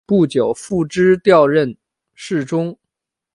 不久傅祗调任侍中。